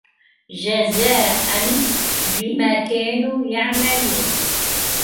جزاء بما كانوا يعملون